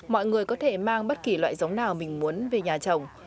mọi người có thể mang bất kỳ loại giống nào mình muốn về nhà trồng